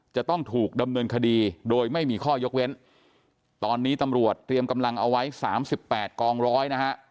จะต้องถูกดำเนินคดีโดยไม่มีข้อยกเว้นตอนนี้ตำรวจเตรียมกำลังเอาไว้สามสิบแปดกองร้อยนะฮะ